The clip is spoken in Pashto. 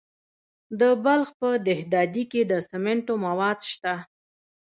د بلخ په دهدادي کې د سمنټو مواد شته.